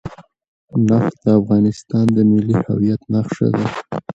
نفت د افغانستان د ملي هویت نښه ده.